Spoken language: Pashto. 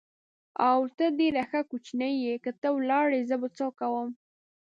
او، ته ډېر ښه کوچنی یې، که ته ولاړې زه به څه کوم؟